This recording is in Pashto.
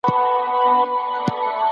استازي به د خپلو مخالفينو د طرحو نيوکي کوي.